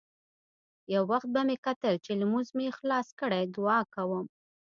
يو وخت به مې کتل چې لمونځ مې خلاص کړى دعا کوم.